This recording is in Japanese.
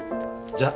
じゃあ。